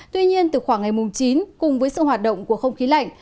tuy nhiên từ khoảng ngày mùng chín cùng với sự hoạt động của không khí lạnh